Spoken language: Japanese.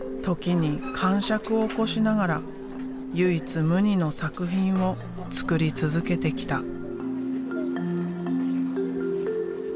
時にかんしゃくを起こしながら唯一無二の作品を作り続けてきた。